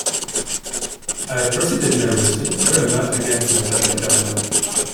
I proceeded nervously, very much against my better judgement.